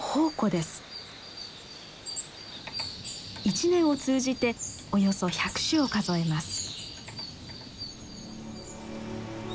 一年を通じておよそ１００種を数えます。